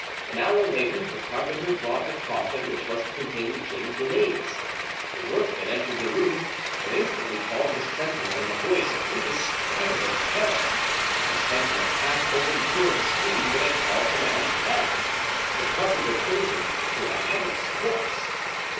An hour later, the carpenter brought the coffin which was to contain the king's remains. The workman entered the room, but instantly called the sentinel in a voice of indescribable terror. The sentinel half opened the door to see what had caused the man's panic. The carpenter pointed to a headless corpse!